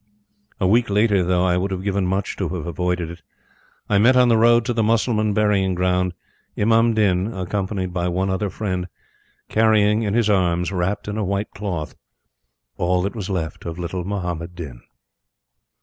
A week later, though I would have given much to have avoided it, I met on the road to the Mussulman burying ground Imam Din, accompanied by one other friend, carrying in his arms, wrapped in a white cloth, all that was left of little Muhammad Din.